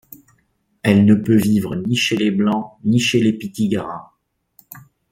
Elle ne peut vivre ni chez les Blancs, ni chez les Pitiguaras.